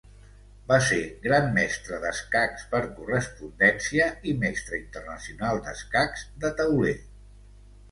Va ser Gran mestre d'escacs per correspondència i Mestre internacional d'escacs de tauler.